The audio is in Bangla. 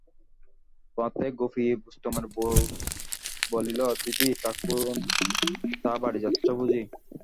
পথে গোপী বোষ্টমের বৌ বলিল, দিদি ঠাকরুন, তা বাড়ি যাচ্ছ বুঝি?